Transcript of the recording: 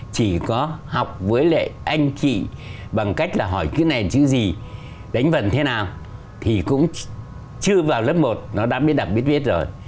chỉ có học với lại anh chị bằng cách là hỏi cái nền chữ gì đánh vần thế nào thì cũng chưa vào lớp một nó đã biết đọc biết viết rồi